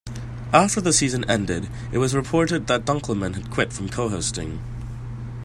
After the season ended, it was reported that Dunkleman had quit from co-hosting.